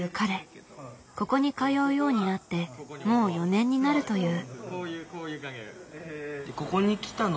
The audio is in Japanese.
ここに通うようになってもう４年になるという。